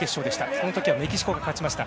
その時はメキシコが勝ちました。